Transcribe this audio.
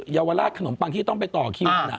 เยาวราชขนมปังที่จะต้องไปต่อคิว